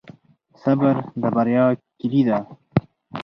صبر د بریا کیلي ده؟